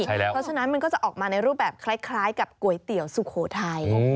เพราะฉะนั้นมันก็จะออกมาในรูปแบบคล้ายกับก๋วยเตี๋ยวสุโขทัย